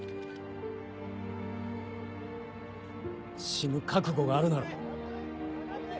死ぬ覚悟があるなら。